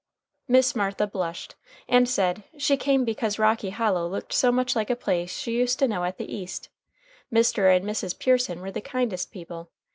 Miss Martha blushed, and said "she came because Rocky Hollow looked so much like a place she used to know at the East. Mr. and Mrs. Pearson were the kindest people.